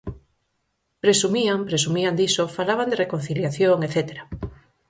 Presumían, presumían diso, falaban de reconciliación etcétera.